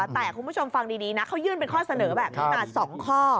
แต่คุณผู้ชมฟังดีนะเขายื่นเป็นข้อเสนอแบบนี้มา๒ข้อ